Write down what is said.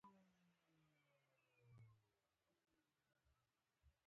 دوی خپلو خپلوانو ته د نقل زمینه برابروي